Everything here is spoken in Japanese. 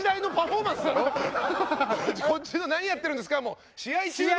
こっちの「何やってるんですか！」は試合中のね。